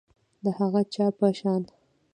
د هغه چا په شان